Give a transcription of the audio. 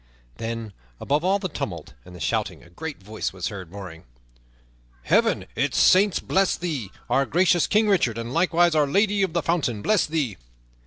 Then, above all the tumult and the shouting a great voice was heard roaring, "Heaven, its saints bless thee, our gracious King Richard! and likewise Our Lady of the Fountain, bless thee!"